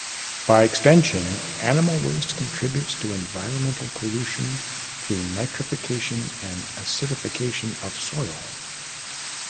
By extension, animal waste contributes to environmental pollution through nitrification and acidification of soil.